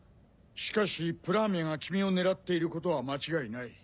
しかしプラーミャが君を狙っていることは間違いない。